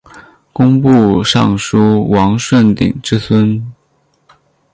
工部尚书王舜鼎之孙。